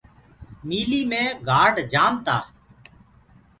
ميٚليٚ مي گآرڊ بي جآم تآ۔